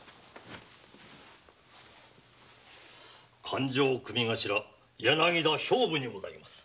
勘定組頭柳田兵部にございます。